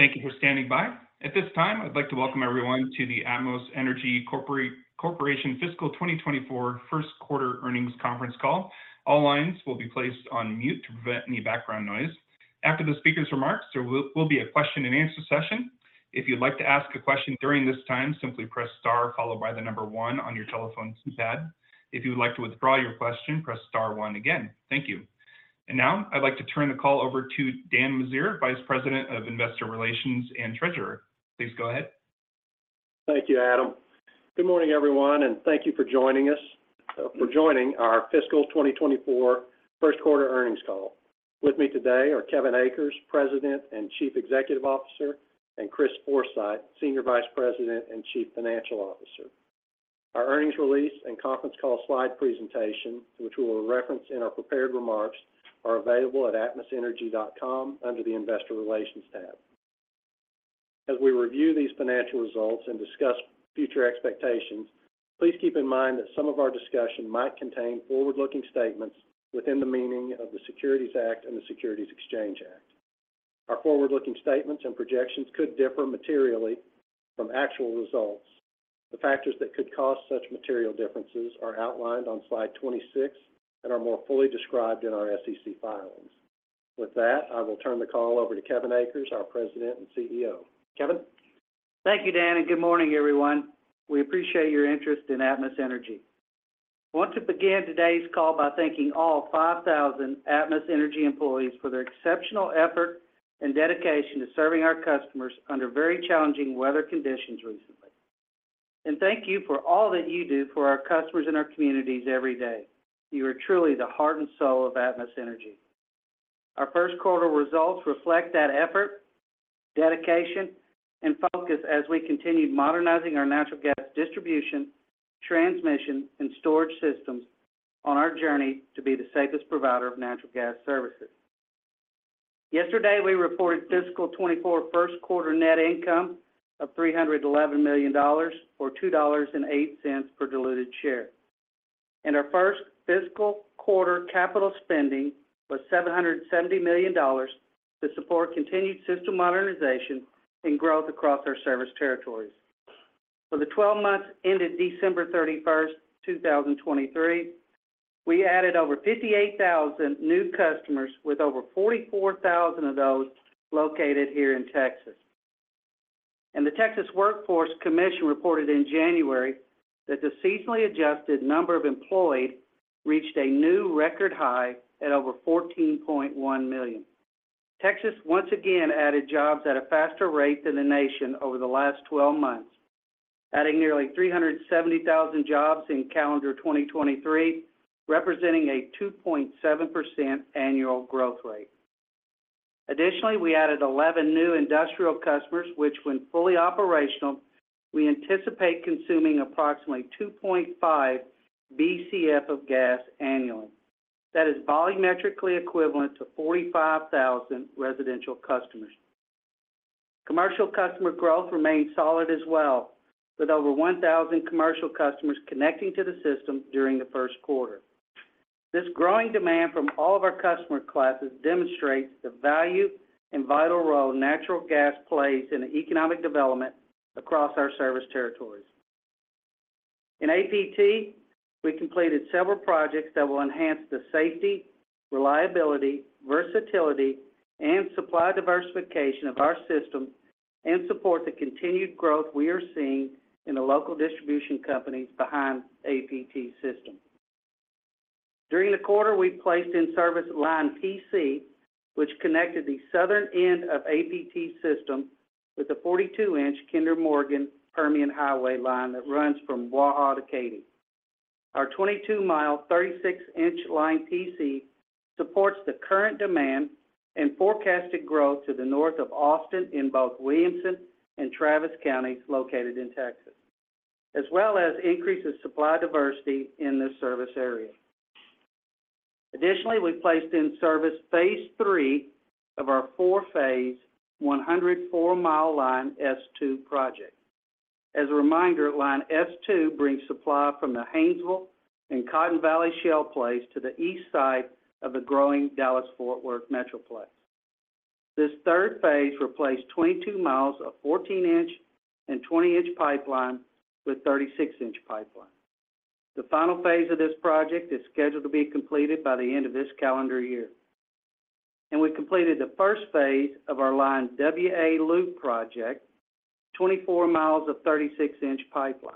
Thank you for standing by. At this time, I'd like to welcome everyone to the Atmos Energy Corporation Fiscal 2024 First Quarter Earnings Conference Call. All lines will be placed on mute to prevent any background noise. After the speaker's remarks, there will be a question and answer session. If you'd like to ask a question during this time, simply press star followed by the number one on your telephone keypad. If you would like to withdraw your question, press star one again. Thank you. And now, I'd like to turn the call over to Dan Meziere, Vice President of Investor Relations and Treasurer. Please go ahead. Thank you, Adam. Good morning, everyone, and thank you for joining us, for joining our fiscal 2024 first quarter earnings call. With me today are Kevin Akers, President and Chief Executive Officer, and Chris Forsythe, Senior Vice President and Chief Financial Officer. Our earnings release and conference call slide presentation, which we will reference in our prepared remarks, are available at atmosenergy.com under the Investor Relations tab. As we review these financial results and discuss future expectations, please keep in mind that some of our discussion might contain forward-looking statements within the meaning of the Securities Act and the Securities Exchange Act. Our forward-looking statements and projections could differ materially from actual results. The factors that could cause such material differences are outlined on slide 26 and are more fully described in our SEC filings. With that, I will turn the call over to Kevin Akers, our President and CEO. Kevin? Thank you, Dan, and good morning, everyone. We appreciate your interest in Atmos Energy. I want to begin today's call by thanking all 5,000 Atmos Energy employees for their exceptional effort and dedication to serving our customers under very challenging weather conditions recently. And thank you for all that you do for our customers and our communities every day. You are truly the heart and soul of Atmos Energy. Our first quarter results reflect that effort, dedication, and focus as we continued modernizing our natural gas distribution, transmission, and storage systems on our journey to be the safest provider of natural gas services. Yesterday, we reported fiscal 2024 first quarter net income of $311 million, or $2.08 per diluted share. Our first fiscal quarter capital spending was $770 million to support continued system modernization and growth across our service territories. For the 12 months ended December 31st, 2023, we added over 58,000 new customers, with over 44,000 of those located here in Texas. The Texas Workforce Commission reported in January that the seasonally adjusted number of employed reached a new record high at over 14.1 million. Texas, once again, added jobs at a faster rate than the nation over the last 12 months, adding nearly 370,000 jobs in calendar 2023, representing a 2.7% annual growth rate. Additionally, we added 11 new industrial customers, which, when fully operational, we anticipate consuming approximately 2.5 BCF of gas annually. That is volumetrically equivalent to 45,000 residential customers. Commercial customer growth remained solid as well, with over 1,000 commercial customers connecting to the system during the first quarter. This growing demand from all of our customer classes demonstrates the value and vital role natural gas plays in the economic development across our service territories. In APT, we completed several projects that will enhance the safety, reliability, versatility, and supply diversification of our system and support the continued growth we are seeing in the local distribution companies behind APT system. During the quarter, we placed in service Line PC, which connected the southern end of APT system with a 42-inch Kinder Morgan Permian Highway line that runs from Bois d'Arc to Katy. Our 22-mile, 36-inch Line PC supports the current demand and forecasted growth to the north of Austin in both Williamson and Travis Counties, located in Texas, as well as increases supply diversity in this service area. Additionally, we placed in service phase III of our four phases, 104-mile Line S2 project. As a reminder, Line S2 brings supply from the Haynesville and Cotton Valley Shale plays to the east side of the growing Dallas-Fort Worth Metroplex. This third phase replaced 22 miles of 14-inch and 20-inch pipeline with 36-inch pipeline. The final phase of this project is scheduled to be completed by the end of this calendar year. We completed the first phase of our Line WA Loop project, 24 miles of 36-inch pipeline.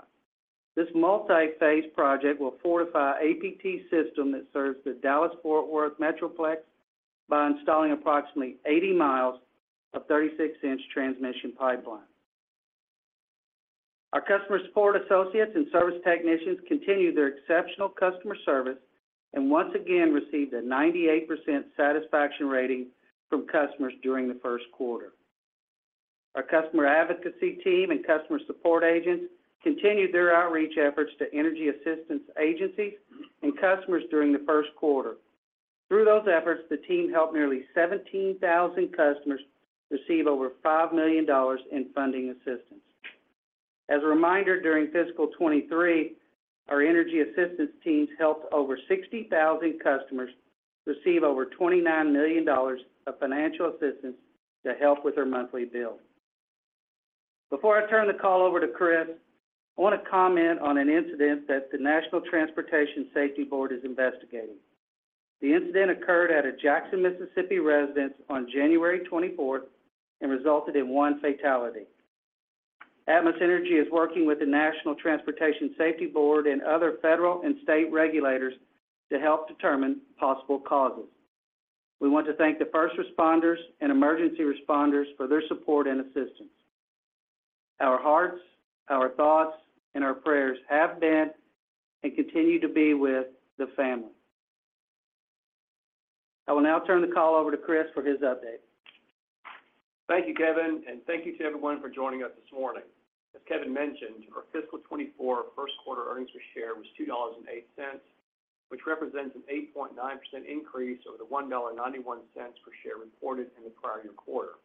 This multi-phase project will fortify APT system that serves the Dallas-Fort Worth Metroplex by installing approximately 80 miles of 36-inch transmission pipeline. Our customer support associates and service technicians continued their exceptional customer service and once again received a 98% satisfaction rating from customers during the first quarter. Our customer advocacy team and customer support agents continued their outreach efforts to energy assistance agencies and customers during the first quarter. Through those efforts, the team helped nearly 17,000 customers receive over $5 million in funding assistance. As a reminder, during fiscal 2023, our energy assistance teams helped over 60,000 customers receive over $29 million of financial assistance to help with their monthly bill. Before I turn the call over to Chris, I want to comment on an incident that the National Transportation Safety Board is investigating. The incident occurred at a Jackson, Mississippi residence on January 24th and resulted in one fatality. Atmos Energy is working with the National Transportation Safety Board and other federal and state regulators to help determine possible causes. We want to thank the first responders and emergency responders for their support and assistance. Our hearts, our thoughts, and our prayers have been and continue to be with the family. I will now turn the call over to Chris for his update. Thank you, Kevin, and thank you to everyone for joining us this morning. As Kevin mentioned, our fiscal 2024 first quarter earnings per share was $2.08, which represents an 8.9% increase over the $1.91 per share reported in the prior year quarter.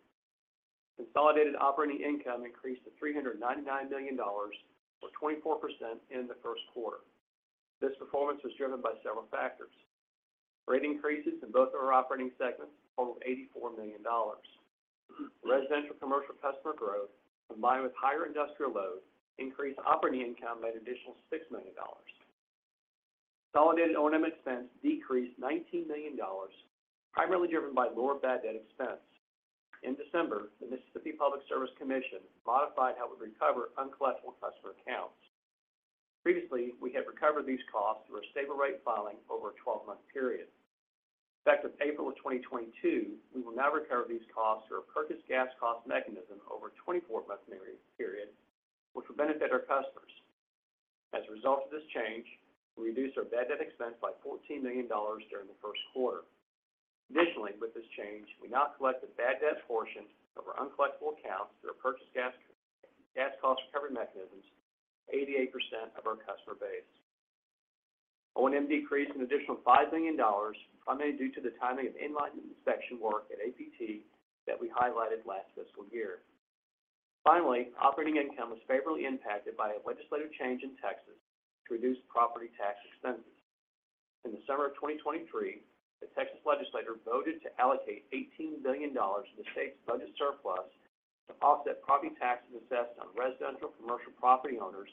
Consolidated operating income increased to $399 million, or 24% in the first quarter. This performance was driven by several factors. Rate increases in both of our operating segments totaled $84 million. Residential commercial customer growth, combined with higher industrial load, increased operating income by an additional $6 million. Consolidated O&M expense decreased $19 million, primarily driven by lower bad debt expense. In December, the Mississippi Public Service Commission modified how we recover uncollectible customer accounts. Previously, we had recovered these costs through a stable rate filing over a 12-month period. Effective April of 2022, we will now recover these costs through our purchased gas cost mechanism over a 24-month period, which will benefit our customers. As a result of this change, we reduced our bad debt expense by $14 million during the first quarter. Additionally, with this change, we now collect the bad debt portion of our uncollectible accounts through our purchased gas cost recovery mechanisms, 88% of our customer base. O&M decreased an additional $5 million, primarily due to the timing of in-line inspection work at APT that we highlighted last fiscal year. Finally, operating income was favorably impacted by a legislative change in Texas to reduce property tax expenses. In the summer of 2023, the Texas Legislature voted to allocate $18 billion of the state's budget surplus to offset property taxes assessed on residential commercial property owners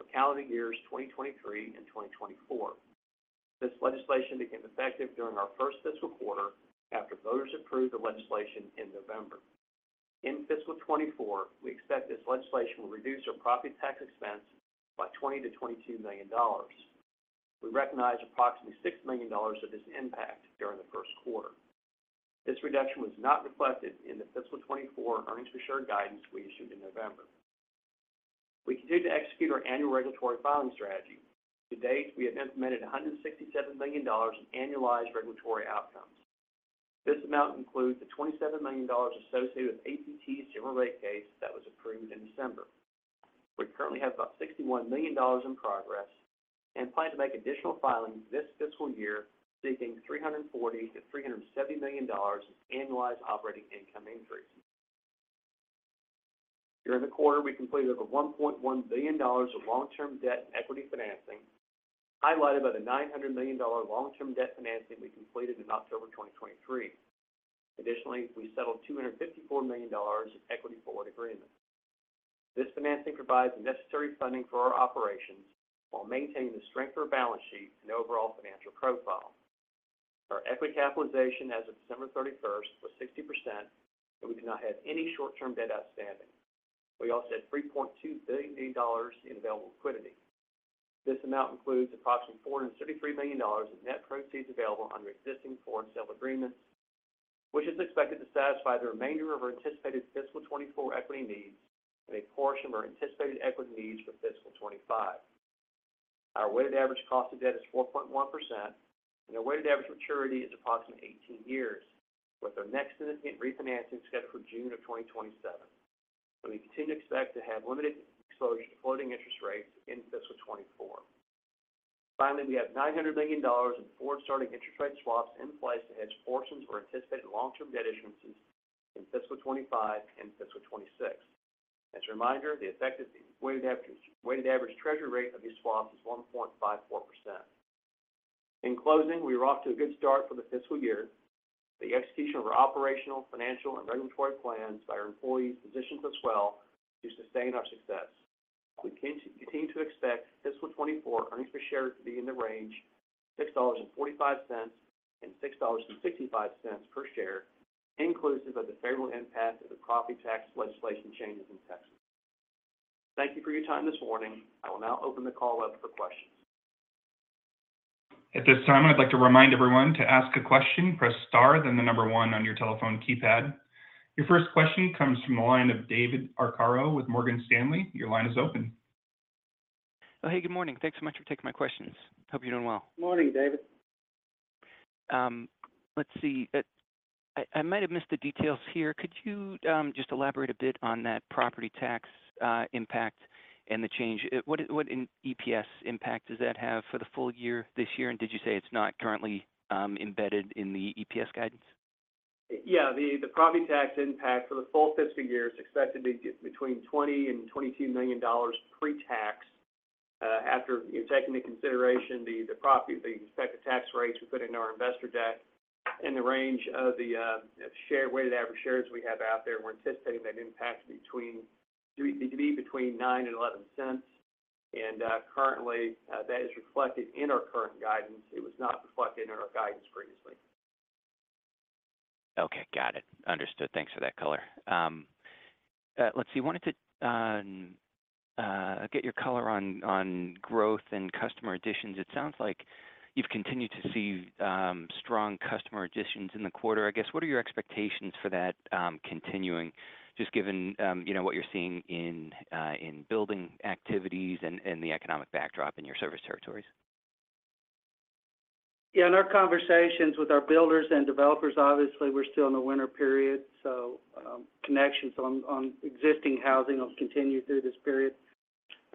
for calendar years 2023 and 2024. This legislation became effective during our first fiscal quarter after voters approved the legislation in November. In fiscal 2024, we expect this legislation will reduce our property tax expense by $20 million-$22 million. We recognize approximately $6 million of this impact during the first quarter. This reduction was not reflected in the fiscal 2024 earnings per share guidance we issued in November. We continue to execute our annual regulatory filing strategy. To date, we have implemented $167 million in annualized regulatory outcomes. This amount includes the $27 million associated with APT's general rate case that was approved in December. We currently have about $61 million in progress and plan to make additional filings this fiscal year, seeking $340 million-$370 million in annualized operating income increase. During the quarter, we completed over $1.1 billion of long-term debt and equity financing, highlighted by the $900 million long-term debt financing we completed in October 2023. Additionally, we settled $254 million in equity forward agreements. This financing provides the necessary funding for our operations while maintaining the strength of our balance sheet and overall financial profile. Our equity capitalization as of December 31st was 60%, and we do not have any short-term debt outstanding. We also had $3.2 billion in available liquidity. This amount includes approximately $433 million in net proceeds available under existing forward sale agreements, which is expected to satisfy the remainder of our anticipated fiscal 2024 equity needs and a portion of our anticipated equity needs for fiscal 2025. Our weighted average cost of debt is 4.1%, and our weighted average maturity is approximately 18 years, with our next significant refinancing scheduled for June 2027. We continue to expect to have limited exposure to floating interest rates in fiscal 2024. Finally, we have $900 million in forward starting interest rate swaps in place to hedge portions of our anticipated long-term debt issuances in fiscal 2025 and fiscal 2026. As a reminder, the effective weighted average treasury rate of these swaps is 1.54%. In closing, we are off to a good start for the fiscal year. The execution of our operational, financial, and regulatory plans by our employees positions us well to sustain our success. We continue to expect fiscal 2024 earnings per share to be in the range of $6.45-$6.65 per share, inclusive of the favorable impact of the property tax legislation changes in Texas. Thank you for your time this morning. I will now open the call up for questions. At this time, I'd like to remind everyone to ask a question, press star, then the number one on your telephone keypad. Your first question comes from the line of David Arcaro with Morgan Stanley. Your line is open. Oh, hey, good morning. Thanks so much for taking my questions. Hope you're doing well. Morning, David. Let's see. I might have missed the details here. Could you just elaborate a bit on that property tax impact and the change? What in EPS impact does that have for the full year this year, and did you say it's not currently embedded in the EPS guidance? Yeah, the property tax impact for the full fiscal year is expected to be between $20 million and $22 million pre-tax, after you take into consideration the property, the expected tax rates we put into our investor deck. In the range of the share-weighted average shares we have out there, we're anticipating that impact to be between $0.09 and $0.11. And, currently, that is reflected in our current guidance. It was not reflected in our guidance previously. Okay, got it. Understood. Thanks for that color. Wanted to get your color on growth and customer additions. It sounds like you've continued to see strong customer additions in the quarter. I guess, what are your expectations for that continuing, just given you know, what you're seeing in building activities and the economic backdrop in your service territories? Yeah, in our conversations with our builders and developers, obviously, we're still in the winter period, so, connections on, on existing housing will continue through this period.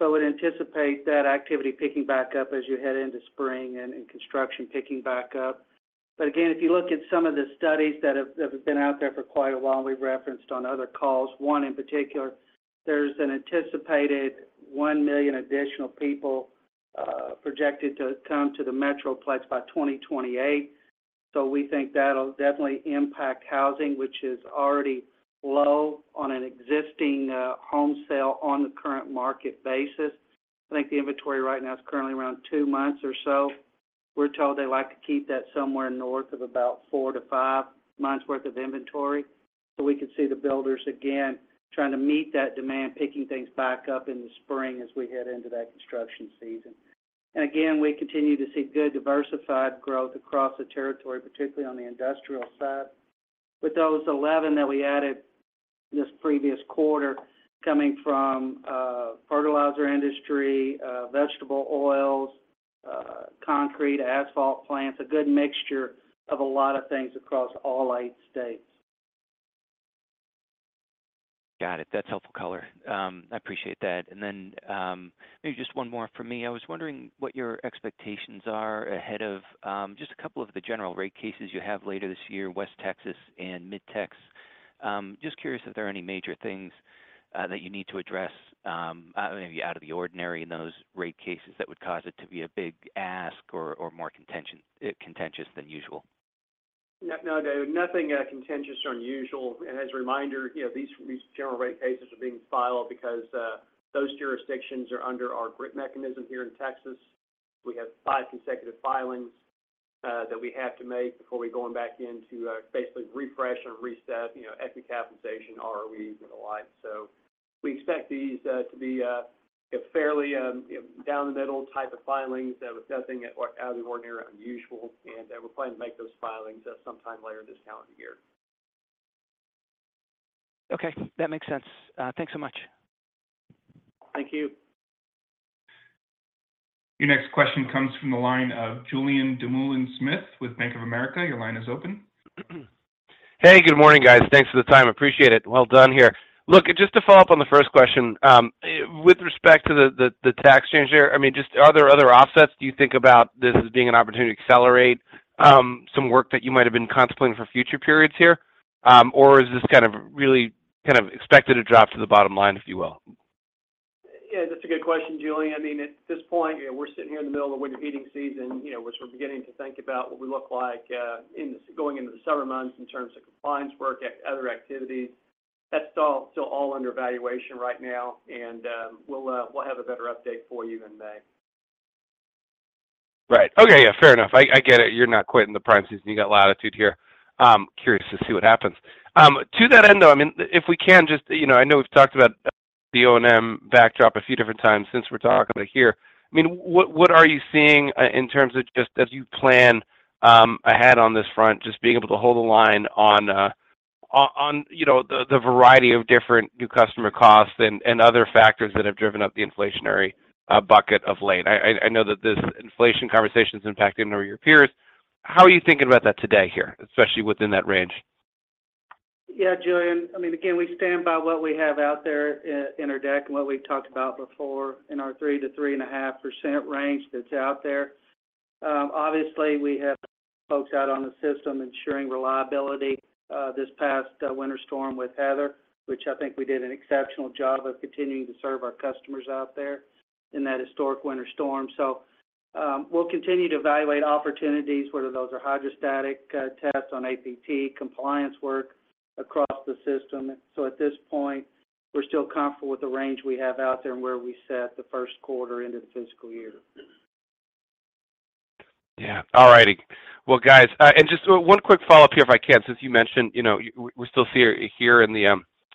But we'd anticipate that activity picking back up as you head into spring and, and construction picking back up. But again, if you look at some of the studies that have, have been out there for quite a while, we've referenced on other calls, one in particular, there's an anticipated 1 million additional people projected to come to the Metroplex by 2028. So we think that'll definitely impact housing, which is already low on an existing home sale on the current market basis. I think the inventory right now is currently around 2 months or so. We're told they like to keep that somewhere north of about 4-5 months worth of inventory. So we could see the builders again, trying to meet that demand, picking things back up in the spring as we head into that construction season. And again, we continue to see good diversified growth across the territory, particularly on the industrial side. With those 11 that we added this previous quarter coming from, fertilizer industry, vegetable oils, concrete, asphalt plants, a good mixture of a lot of things across all eight states. Got it. That's helpful color. I appreciate that. Maybe just one more from me. I was wondering what your expectations are ahead of just a couple of the general rate cases you have later this year, West Texas and Mid-Tex. Just curious if there are any major things that you need to address, maybe out of the ordinary in those rate cases that would cause it to be a big ask or more contentious than usual? No, no, nothing contentious or unusual. And as a reminder, you know, these general rate cases are being filed because those jurisdictions are under our GRIP mechanism here in Texas. We have five consecutive filings that we have to make before we go on back in to basically refresh or reset, you know, equity capitalization, ROE, and the like. So we expect these to be a fairly, you know, down the middle type of filings. With nothing out of the ordinary or unusual, and we plan to make those filings sometime later this calendar year. Okay, that makes sense. Thanks so much. Thank you. Your next question comes from the line of Julien Dumoulin-Smith with Bank of America. Your line is open. Hey, good morning, guys. Thanks for the time. Appreciate it. Well done here. Look, just to follow up on the first question, with respect to the tax change there, I mean, just are there other offsets? Do you think about this as being an opportunity to accelerate some work that you might have been contemplating for future periods here? Or is this kind of really, kind of expected to drop to the bottom line, if you will? Yeah, that's a good question, Julien. I mean, at this point, we're sitting here in the middle of the winter heating season, you know, which we're beginning to think about what we look like in the going into the summer months in terms of compliance work, other activities. That's all still all under evaluation right now, and we'll have a better update for you in May. Right. Okay, yeah, fair enough. I get it. You're not quitting the prime season. You got latitude here. I'm curious to see what happens. To that end, though, I mean, if we can just, you know, I know we've talked about the O&M backdrop a few different times since we're talking about here. I mean, what are you seeing in terms of just as you plan ahead on this front, just being able to hold the line on, you know, the variety of different new customer costs and, and other factors that have driven up the inflationary bucket of late? I know that this inflation conversation is impacting over your peers. How are you thinking about that today here, especially within that range? Yeah, Julien, I mean, again, we stand by what we have out there in our deck and what we've talked about before in our 3%-3.5% range that's out there. Obviously, we have folks out on the system ensuring reliability, this past Winter Storm Heather, which I think we did an exceptional job of continuing to serve our customers out there in that historic winter storm. So, we'll continue to evaluate opportunities, whether those are hydrostatic tests on APT, compliance work across the system. So at this point, we're still comfortable with the range we have out there and where we set the first quarter into the fiscal year. Yeah. All righty. Well, guys, and just one quick follow-up here, if I can. Since you mentioned, you know, we're still here, here in the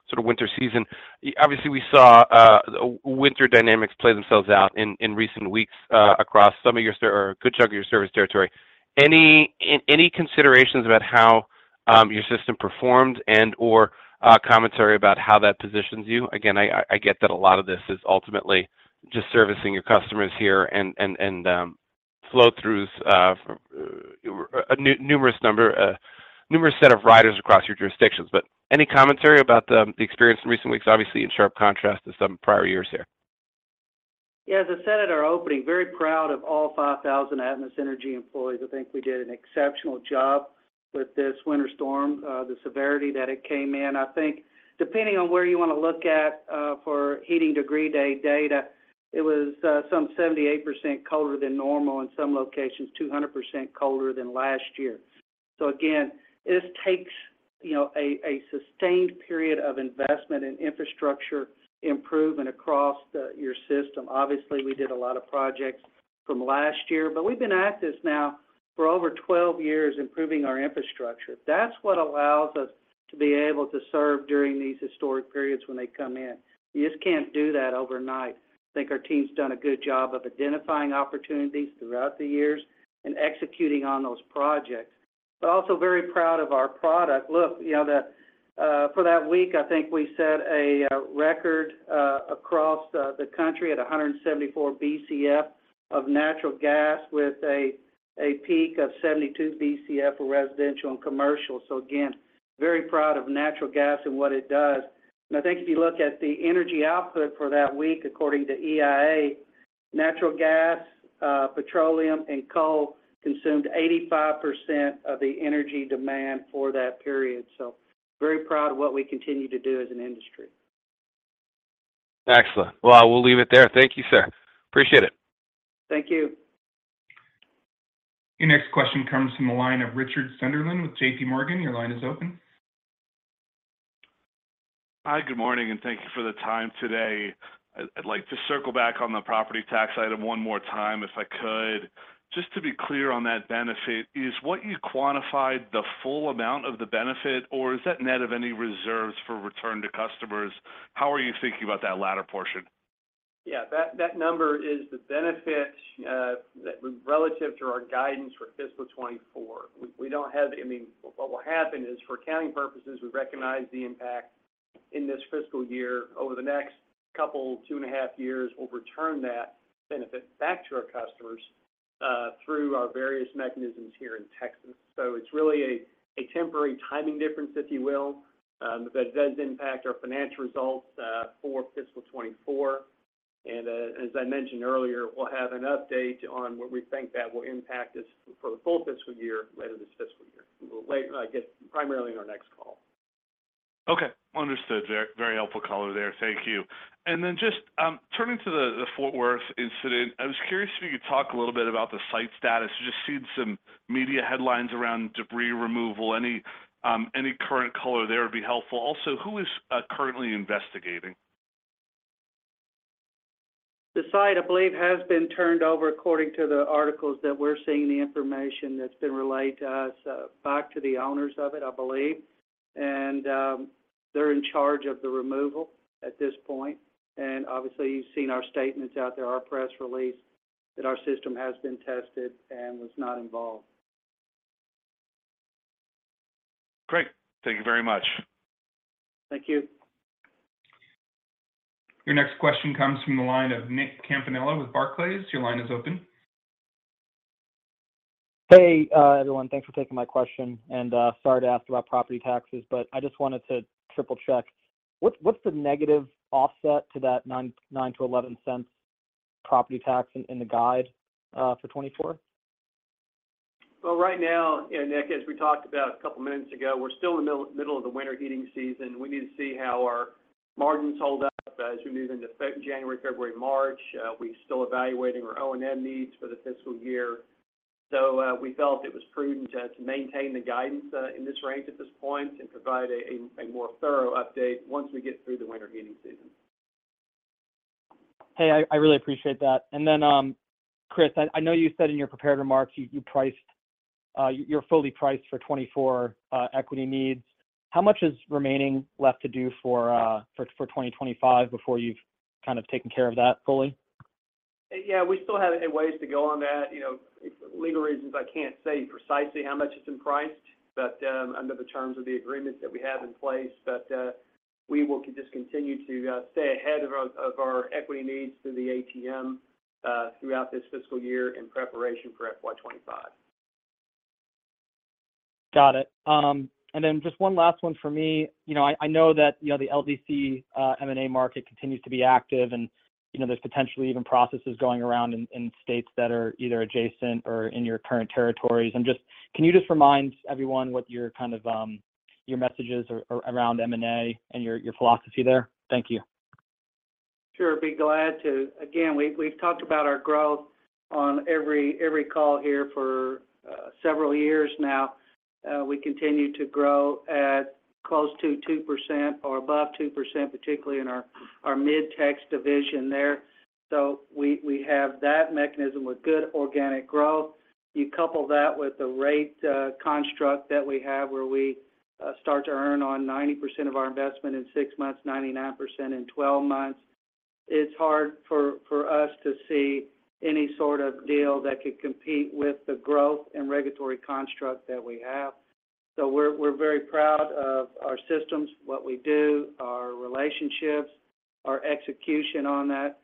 sort of winter season, obviously, we saw winter dynamics play themselves out in recent weeks across some of your service or a good chunk of your service territory. Any considerations about how your system performed and or commentary about how that positions you? Again, I get that a lot of this is ultimately just servicing your customers here and flow throughs, a numerous set of riders across your jurisdictions. But any commentary about the experience in recent weeks, obviously, in sharp contrast to some prior years here? Yeah, as I said at our opening, very proud of all 5,000 Atmos Energy employees. I think we did an exceptional job with this winter storm, the severity that it came in. I think depending on where you want to look at, for heating degree day data, it was some 78% colder than normal, in some locations, 200% colder than last year. So again, this takes, you know, a sustained period of investment in infrastructure improvement across your system. Obviously, we did a lot of projects from last year, but we've been at this now for over 12 years, improving our infrastructure. That's what allows us to be able to serve during these historic periods when they come in. You just can't do that overnight. I think our team's done a good job of identifying opportunities throughout the years and executing on those projects. But also very proud of our product. Look, you know, for that week, I think we set a record across the country at 174 BCF of natural gas with a peak of 72 BCF for residential and commercial. So again, very proud of natural gas and what it does. And I think if you look at the energy output for that week, according to EIA, natural gas, petroleum, and coal consumed 85% of the energy demand for that period. So very proud of what we continue to do as an industry. Excellent. Well, we'll leave it there. Thank you, sir. Appreciate it. Thank you. Your next question comes from the line of Richard Sunderland with JPMorgan. Your line is open. Hi, good morning, and thank you for the time today. I'd like to circle back on the property tax item one more time, if I could. Just to be clear on that benefit, is what you quantified the full amount of the benefit, or is that net of any reserves for return to customers? How are you thinking about that latter portion? Yeah, that number is the benefit that relative to our guidance for fiscal 2024. We don't have. I mean, what will happen is, for accounting purposes, we recognize the impact in this fiscal year. Over the next couple, 2.5 years, we'll return that benefit back to our customers through our various mechanisms here in Texas. So it's really a temporary timing difference, if you will, but it does impact our financial results for fiscal 2024. As I mentioned earlier, we'll have an update on what we think that will impact us for the full fiscal year, later this fiscal year. Well, later, I guess, primarily on our next call. Okay. Understood. Very, very helpful color there. Thank you. And then just turning to the Fort Worth incident, I was curious if you could talk a little bit about the site status. Just seen some media headlines around debris removal. Any current color there would be helpful. Also, who is currently investigating? The site, I believe, has been turned over, according to the articles that we're seeing, the information that's been relayed to us, back to the owners of it, I believe. They're in charge of the removal at this point. Obviously, you've seen our statements out there, our press release, that our system has been tested and was not involved. Great. Thank you very much. Thank you. Your next question comes from the line of Nick Campanella with Barclays. Your line is open. Hey, everyone. Thanks for taking my question, and sorry to ask about property taxes, but I just wanted to triple-check. What's the negative offset to that $0.09-$0.11 property tax in the guide for 2024? Well, right now, and Nick, as we talked about a couple of minutes ago, we're still in the middle of the winter heating season. We need to see how our margins hold up as we move into January, February, March. We're still evaluating our O&M needs for the fiscal year. So, we felt it was prudent to maintain the guidance in this range at this point and provide a more thorough update once we get through the winter heating season. Hey, I really appreciate that. And then, Chris, I know you said in your prepared remarks, you priced, you're fully priced for 2024 equity needs. How much is remaining left to do for 2025, before you've kind of taken care of that fully? Yeah, we still have a ways to go on that. You know, for legal reasons, I can't say precisely how much it's been priced, but under the terms of the agreements that we have in place. But we will just continue to stay ahead of our equity needs through the ATM throughout this fiscal year in preparation for FY 2025. Got it. And then just one last one for me. You know, I know that the LDC, M&A market continues to be active, and, you know, there's potentially even processes going around in, in states that are either adjacent or in your current territories. And just. Can you just remind everyone what your kind of your messages are around M&A and your, your philosophy there? Thank you. Sure, be glad to. Again, we've talked about our growth on every call here for several years now. We continue to grow at close to 2% or above 2%, particularly in our Mid-Tex division there. So we have that mechanism with good organic growth. You couple that with the rate construct that we have, where we start to earn on 90% of our investment in 6 months, 99% in 12 months; it's hard for us to see any sort of deal that could compete with the growth and regulatory construct that we have. So we're very proud of our systems, what we do, our relationships, our execution on that.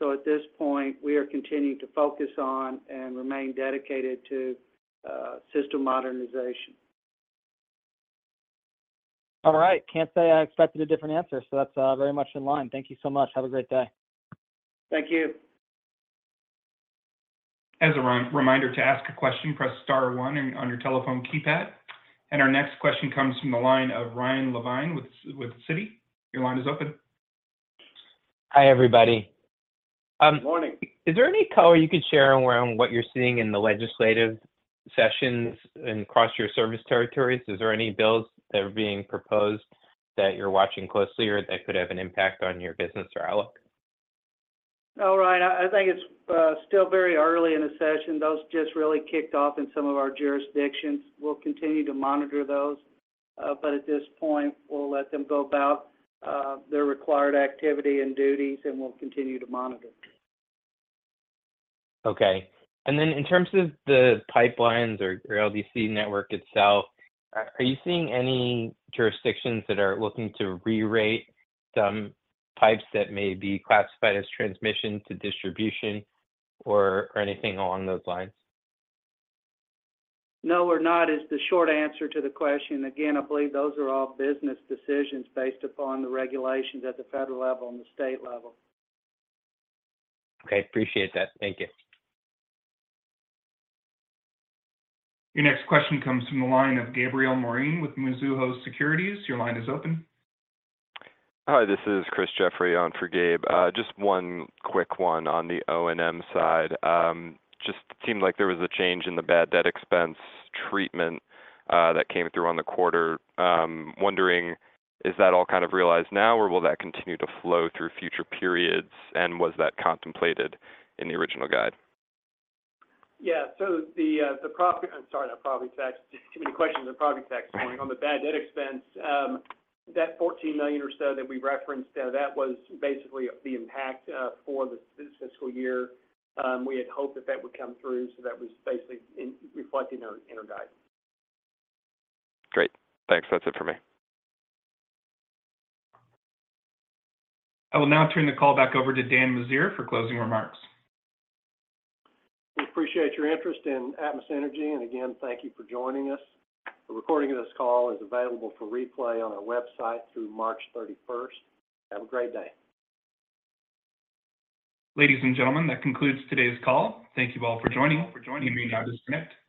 So at this point, we are continuing to focus on and remain dedicated to system modernization. All right, can't say I expected a different answer, so that's very much in line. Thank you so much. Have a great day. Thank you. As a reminder, to ask a question, press star one on your telephone keypad. Our next question comes from the line of Ryan Levine with Citi. Your line is open. Hi, everybody. Good morning. Is there any color you could share around what you're seeing in the legislative sessions and across your service territories? Is there any bills that are being proposed that you're watching closely or that could have an impact on your business or outlook? No, Ryan, I think it's still very early in the session. Those just really kicked off in some of our jurisdictions. We'll continue to monitor those, but at this point, we'll let them go about their required activity and duties, and we'll continue to monitor. Okay. And then in terms of the pipelines or your LDC network itself, are you seeing any jurisdictions that are looking to re-rate some pipes that may be classified as transmission to distribution or anything along those lines? No, we're not. Is the short answer to the question. Again, I believe those are all business decisions based upon the regulations at the federal level and the state level. Okay. Appreciate that. Thank you. Your next question comes from the line of Gabriel Moreen with Mizuho Securities. Your line is open. Hi, this is Chris Jeffrey on for Gabe. Just one quick one on the O&M side. Just seemed like there was a change in the bad debt expense treatment that came through on the quarter. Wondering, is that all kind of realized now, or will that continue to flow through future periods, and was that contemplated in the original guide? Yeah. So the profit—I'm sorry, not profit tax. Too many questions on profit tax point. On the bad debt expense, that $14 million or so that we referenced, that was basically the impact for the fiscal year. We had hoped that that would come through, so that was basically reflecting our inner guide. Great. Thanks. That's it for me. I will now turn the call back over to Dan Meziere for closing remarks. We appreciate your interest in Atmos Energy, and again, thank you for joining us. A recording of this call is available for replay on our website through March 31st. Have a great day. Ladies and gentlemen, that concludes today's call. Thank you all for joining. You may now disconnect.